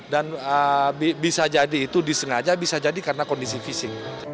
dan bisa jadi itu disengaja bisa jadi karena kondisi visi